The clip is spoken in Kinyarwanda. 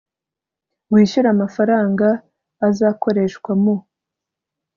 wishyure amafaranga azakoreshwa mu